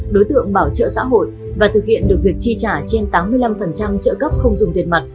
đối tượng bảo trợ xã hội và thực hiện được việc chi trả trên tám mươi năm trợ cấp không dùng tiền mặt